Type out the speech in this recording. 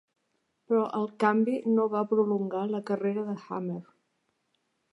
Però el canvi no va prolongar la carrera de Hamner.